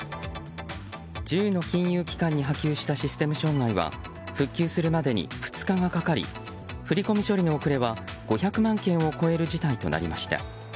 １０の金融機関に波及したシステム障害は復旧するまでに２日がかかり振り込み処理の遅れは５００万件を超える事態となりました。